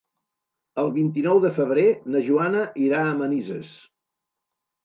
El vint-i-nou de febrer na Joana irà a Manises.